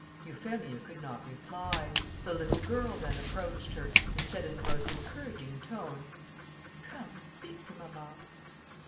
] Euphemia could not reply; the little girl then approached her, and said in the most encouraging tone, "Come, speak to mamma."